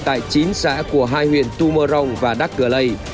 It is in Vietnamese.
tại chín xã của hai huyện tu mơ rông và đắc cửa lây